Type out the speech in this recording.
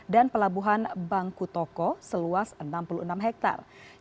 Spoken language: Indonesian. dan pelabuhan bangku toko seluas enam puluh enam hektare